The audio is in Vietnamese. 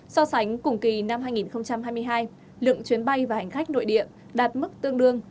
so sánh cùng kỳ năm hai nghìn hai mươi hai lượng chuyến bay và hành khách nội địa đạt mức tương đương